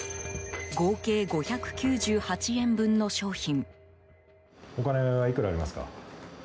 合計５９８円分の商品。